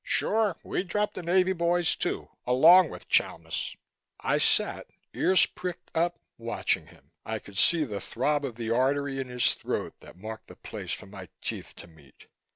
Sure, we dropped the Navy boys too, along with Chalmis." I sat, ears pricked up, watching him. I could see the throb of the artery in his throat that marked the place for my teeth to meet.